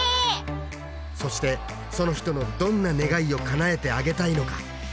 そしてその人のどんな願いをかなえてあげたいのか？